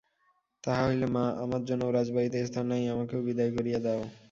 তাহা হইলে মা, আমার জন্যও রাজবাড়িতে স্থান নাই, আমাকেও বিদায় করিয়া দাও।